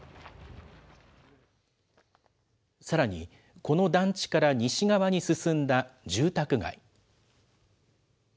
さらに、この団地から西側に進んだ住宅街。